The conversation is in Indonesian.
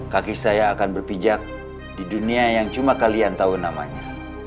kaki saya akan berpijak di dunia yang cuma kalian tahu namanya